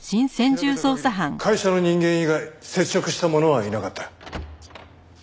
調べた限り会社の人間以外接触した者はいなかった。